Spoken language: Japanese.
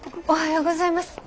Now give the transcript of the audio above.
おはようございます。